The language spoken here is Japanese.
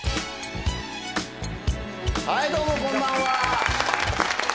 はいどうもこんばんは。